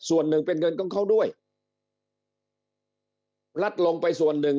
ส่วนหนึ่งเป็นเงินของเขาด้วยรัฐลงไปส่วนหนึ่ง